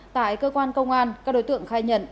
tại cơ quan công an các đối tượng khai nhận